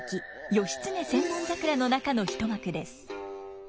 「義経千本桜」の中の一幕です。